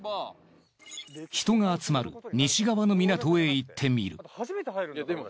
人が集まる西側の港へ行ってみる。